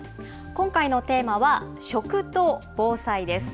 今回のテーマは食と防災です。